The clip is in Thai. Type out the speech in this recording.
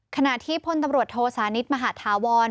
ขณะที่พลตำรวจโทสานิทมหาธาวร